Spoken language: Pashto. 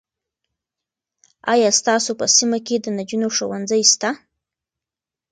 آیا ستاسو په سیمه کې د نجونو ښوونځی سته؟